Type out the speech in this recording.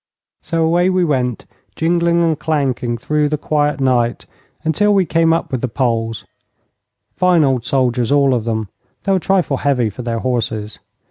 So away we went, jingling and clanking through the quiet night until we came up with the Poles fine old soldiers all of them, though a trifle heavy for their horses.